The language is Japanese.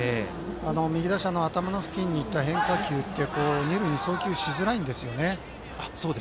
右打者の頭付近に行った変化球って二塁に送球しづらいんですよね。